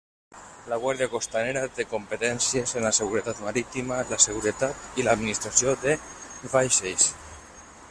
La Guàrdia Costanera té competències en la seguretat marítima, la seguretat i l'administració de vaixells.